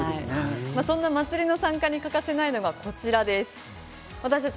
そんな祭りの参加に欠かせないのがこちらです。